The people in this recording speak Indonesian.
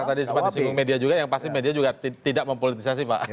karena tadi sempat disinggung media juga yang pasti media juga tidak mempolitisasi pak